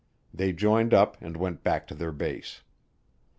They joined up and went back to their base.